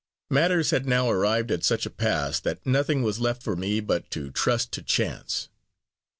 Matters had now arrived at such a pass, that nothing was left for me but to trust to chance.